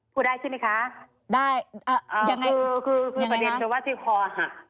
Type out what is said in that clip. พูดได้ใช่ไหมคะได้ยังไงคือคือประเด็นคือว่าที่คอหัก